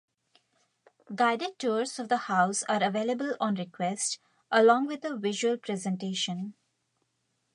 Guided tours of the house are available on request, along with a visual presentation.